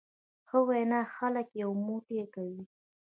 ښه وینا خلک یو موټی کوي.